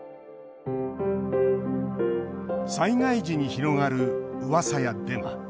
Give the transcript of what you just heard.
災害時に広がる、うわさやデマ。